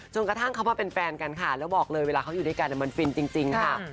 กระทั่งเขามาเป็นแฟนกันค่ะแล้วบอกเลยเวลาเขาอยู่ด้วยกันมันฟินจริงค่ะ